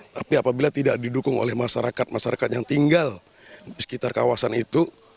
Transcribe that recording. tapi apabila tidak didukung oleh masyarakat masyarakat yang tinggal di sekitar kawasan itu